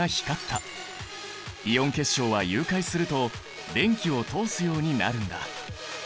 イオン結晶は融解すると電気を通すようになるんだ。